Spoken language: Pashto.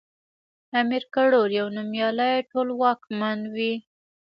امير کروړ يو نوميالی ټولواکمن وی